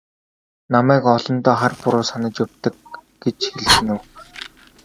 Намайг олондоо хар буруу санаж явдаг гэж хэлэх нь үү?